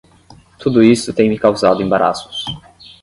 Tudo isto tem me causado embaraços